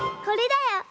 これだよ。